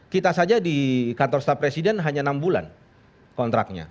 kita saja di kantor staf presiden hanya enam bulan kontraknya